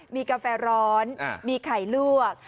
มีกาแฟร้อนมีไข่ลวก